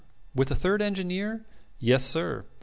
'With the third engineer?' 'Yes, sir.'